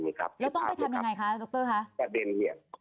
อย่างไรคะดรคะ